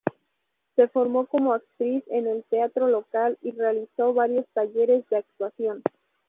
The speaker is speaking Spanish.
Se formó como actriz en el teatro local y realizó varios talleres de actuación.